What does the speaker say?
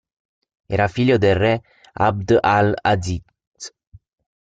Era figlio del re ʿAbd al-ʿAziz.